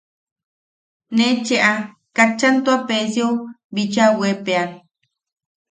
Ne cheʼa katchan tua Peesiou bicha weepea.